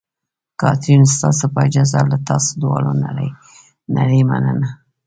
کاترین: ستاسو په اجازه، له تاسو دواړو نړۍ نړۍ مننه.